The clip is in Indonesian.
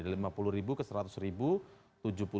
dari rp lima puluh ke rp seratus